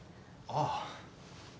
ああ。